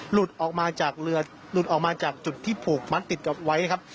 หลุดออกมาจากเรือหลุดออกมาจากจุดที่ผูกมัดติดกับไว้ครับ